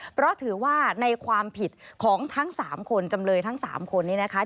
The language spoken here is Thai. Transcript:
เพราะถือว่าในความผิดของทั้ง๓คนจำเลยทั้ง๓คนนี้นะคะ